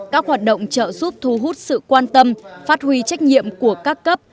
các hoạt động trợ giúp thu hút sự quan tâm phát huy trách nhiệm của các cấp